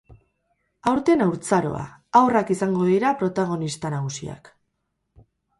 Aurten, haurtzaroa, haurrak izango dira protagonista nagusiak.